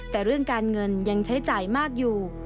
แต่เรื่องการเงินยังใช้จ่ายมากอยู่